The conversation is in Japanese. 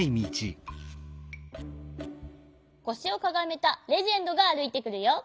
こしをかがめたレジェンドがあるいてくるよ。